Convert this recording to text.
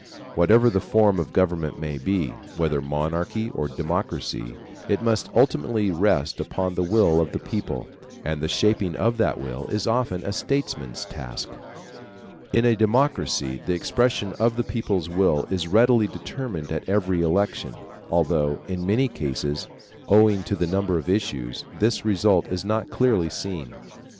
Whatever the form of government may be, whether monarchy or democracy, it must ultimately rest upon the will of the people, and the shaping of that will is often a statesman's task. In a democracy the expression of the people's will is readily determined at every election, although in many cases, owing to the number of issues, this result is not clearly seen.